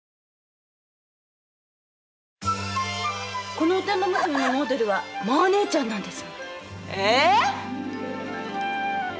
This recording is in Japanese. このおてんば娘のモデルはマー姉ちゃんなんです。え！？